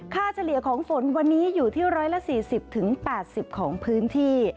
เฉลี่ยของฝนวันนี้อยู่ที่๑๔๐๘๐ของพื้นที่